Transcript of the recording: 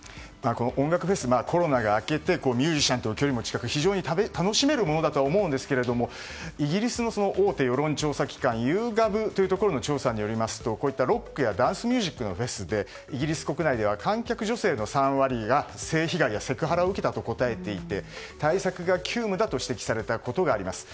音楽フェス、コロナが明けてミュージシャンとの距離も近く非常に楽しめるものだとは思うんですがイギリスの大手世論調査機関ユーガブの調査によりますとこういったロックやダンスミュージックのフェスでイギリス国内では観客女性の３割が性被害やセクハラを受けたと答えていて対策が急務だと指摘されたことがあります。